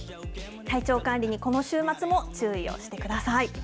体調管理に、この週末も注意をしてください。